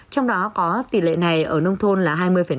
trong đó có tỷ lệ này ở nông thôn là hai mươi năm